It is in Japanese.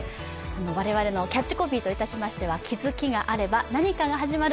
我々のキャッチコピーといたしましては「気づきがあれば、何かが始まる。